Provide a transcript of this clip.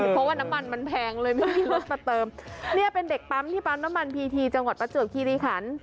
เพราะว่าน้ำมันมันแพงเลยไม่มีรถมาเติมเนี่ยเป็นเด็กปั๊มที่ปั๊มน้ำมันพีทีจังหวัดประจวบคีรีขัน